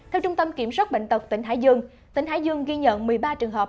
theo trung tâm kiểm soát bệnh tật tỉnh hải dương tỉnh hải dương ghi nhận một mươi ba trường hợp